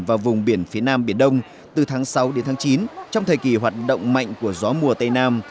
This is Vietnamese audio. và vùng biển phía nam biển đông từ tháng sáu đến tháng chín trong thời kỳ hoạt động mạnh của gió mùa tây nam